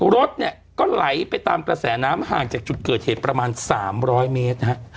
รถเนี่ยก็ไหลไปตามกระแสน้ำห่างจากจุดเกิดเหตุประมาณ๓๐๐เมตรนะฮะ